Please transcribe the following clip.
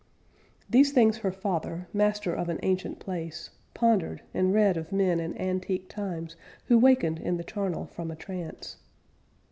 These things her father, master of an ancient place, Pondered, and read of men in antique times Who wakened in the charnel from a trance.